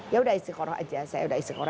ya udah isikoro aja saya udah isikoro